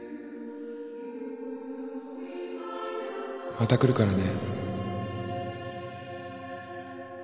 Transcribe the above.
また来るからね